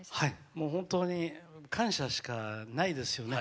もう本当に感謝しかないですよね。